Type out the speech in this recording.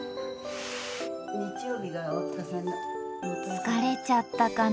疲れちゃったかな。